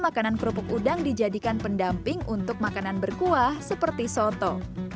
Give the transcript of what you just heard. makanan kerupuk udang dijadikan pendamping untuk makanan berkuah seperti soto